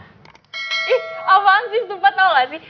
ih apaan sih sempet tau gak sih